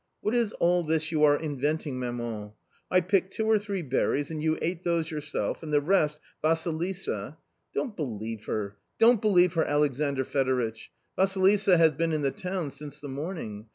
" What is all this you are inventing, maman ? I picked two or three berries, and you ate those yourself, and the rest Vassilisa " "Don't believe her, don't believe her, Alexandr Fedoritch; Vassilisa has been in the town since the morning.